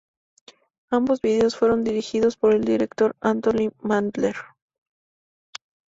Ambos videos fueron dirigidos por el director Antony Mandler.